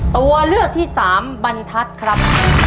ตัวเลือกที่สามบรรทัศน์ครับ